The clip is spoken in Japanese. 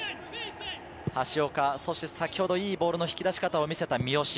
橋岡、そして先ほどいいボールの引き出し方を見せた三好。